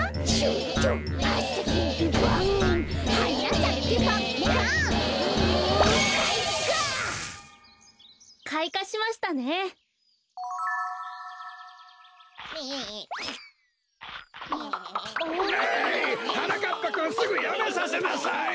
ううはなかっぱくんすぐやめさせなさい！